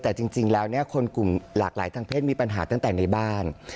แต่จริงแล้วเนี่ยคนกลุ่มหลากหลายทางเพศมีปัญหาตั้งแต่ในบ้าน